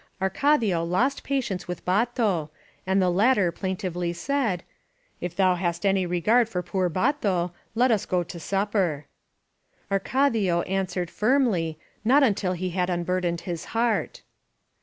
Arcadio lost patience with Bato, and the latter plaintively said: "If thou hast any regard for poor Bato, let us go to supper." Arcadio answered firmly, not until he had unbur dened his heart.